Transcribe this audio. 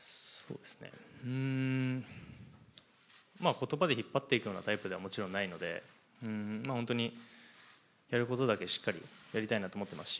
言葉で引っ張っていくようなタイプではないので、本当にやることだけしっかりやりたいなと思ってますし